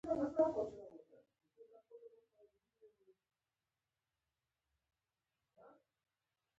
ایا زه رخصتي واخلم؟